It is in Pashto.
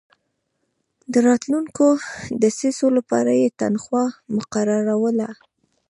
د راتلونکو دسیسو لپاره یې تنخوا مقرروله.